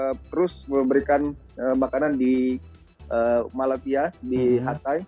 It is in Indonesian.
kita juga terus memberikan makanan di malatya di hatay